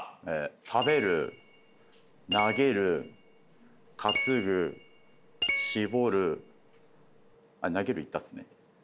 食べる投げる担ぐ絞る投げる言ったっすね？